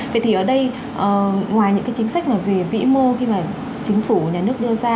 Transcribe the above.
vậy thì ở đây ngoài những cái chính sách mà về vĩ mô khi mà chính phủ nhà nước đưa ra